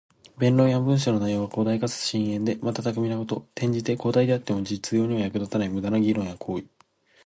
弁論や文章の内容が広大かつ深遠で、また巧みなこと。転じて、広大ではあっても実用には役立たない無駄な議論や行為。